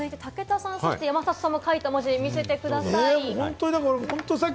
武田さんも山里さんも書いた文字、見せてください。